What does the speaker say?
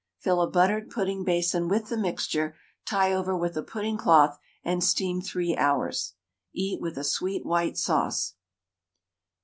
Fill a buttered pudding basin with the mixture, tie over with a pudding cloth, and steam 3 hours. Eat with a sweet white sauce.